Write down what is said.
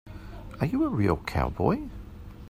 Are you a real cowboy?